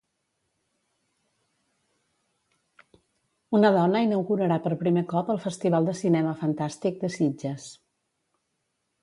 Una dona inaugurarà per primer cop el Festival de Cinema Fantàstic de Sitges.